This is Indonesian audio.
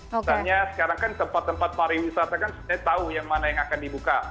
misalnya sekarang kan tempat tempat pariwisata kan sebenarnya tahu yang mana yang akan dibuka